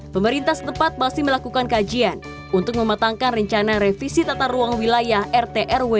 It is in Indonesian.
pemerintah setempat masih melakukan kajian untuk mematangkan rencana revisi tata ruang wilayah rtrw